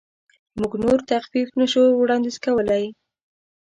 موږ نور تخفیف نشو وړاندیز کولی.